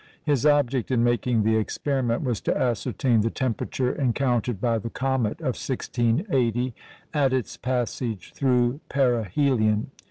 His object in making the experiment was to ascertain the temperature encountered by the comet of 1680 at its passage through perihelion.